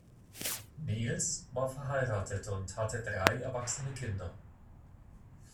Nehls war verheiratet und hatte drei erwachsene Kinder.